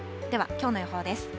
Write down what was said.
では、きょうの予報です。